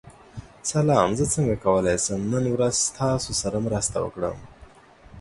سلام، زه څنګه کولی شم نن ورځ ستاسو سره مرسته وکړم؟